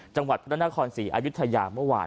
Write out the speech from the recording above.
จังหวัดพระนครศรีอายุทยาเมื่อวาน